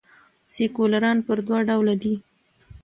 سیکولران پر دوه ډوله دي.